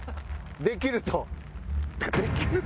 できると？